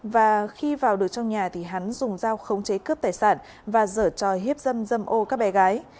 và khi vào được trong nhà thì hắn dùng dao khống chế cướp tài sản và dở tròi hiếp dâm dâm ô các bé gái